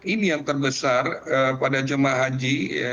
ini yang terbesar pada jemaah haji